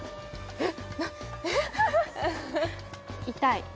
えっ？